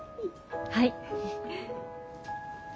はい。